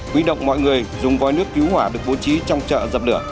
huy động mọi người dùng vòi nước cứu hỏa được bố trí trong chợ dập lửa